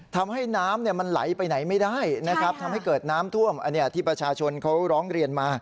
ทำให้น้ำมันไหลไปไหนไม่ได้นะครับทำให้เกิดน้ำท่วมอันนี้ที่ประชาชนเขาร้องเรียนมา